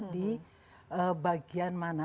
di bagian mana